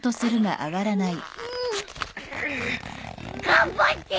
頑張って！